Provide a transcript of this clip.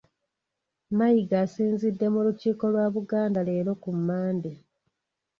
Mayiga asinzidde mu Lukiiko lwa Buganda leero ku Mmande